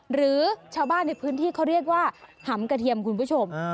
หรือชาวบ้านในพื้นที่เขาเรียกว่าหำกระเทียมคุณผู้ชม